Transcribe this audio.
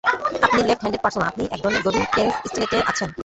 আপনি left handed পার্সনা-আপনি একধরনের গভীর টেন্স ষ্টেটে আছেন।